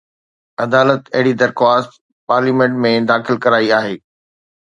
عدالت اهڙي درخواست پارليامينٽ ۾ داخل ڪرائي آهي